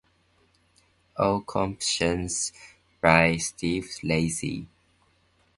All compositions by Steve Lacy.